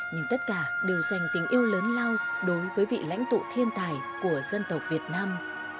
nhưng tất cả đều dành tình yêu lớn lao đối với vị lãnh tụ thiên tài của dân tộc việt nam